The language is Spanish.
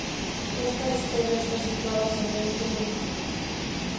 Esta estela está situada sobre un túmulo.